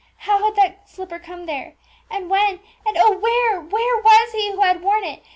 How had that slipper come there, and when? and, oh! where, where was he who had worn it?